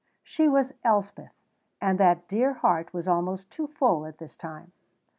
She was Elspeth, and that dear heart was almost too full at this time.